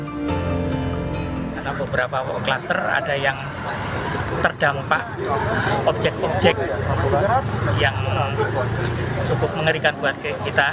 di kota kota kluster ada yang terdampak objek objek yang cukup mengerikan buat kita